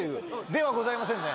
ではございませんね。